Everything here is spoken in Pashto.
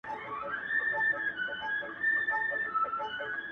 د کرنې لپاره چټاکۍ ضروري ده.